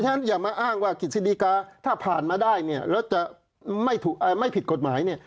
ฉะอย่ามาอ้างว่ากฤษฎีกาถ้าผ่านมาได้เนี่ยแล้วจะไม่ผิดกฎหมายเนี่ย